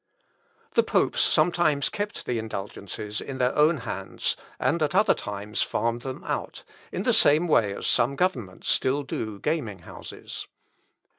The popes sometimes kept the indulgences in their own hands, and at other times farmed them out, in the same way as some governments still do gaming houses.